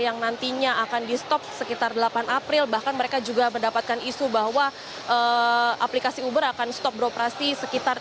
yang nantinya akan di stop sekitar delapan april bahkan mereka juga mendapatkan isu bahwa aplikasi uber akan stop beroperasi sekitar tiga puluh